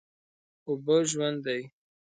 اوبه ژوند دي.